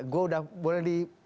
gue udah boleh di